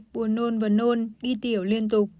buồn nôn và nôn đi tiểu liên tục